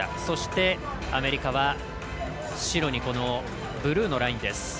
そして、アメリカは白にブルーのラインです。